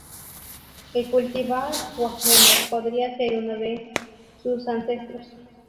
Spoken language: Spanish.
El cultivar Wagener podría ser uno se sus ancestros.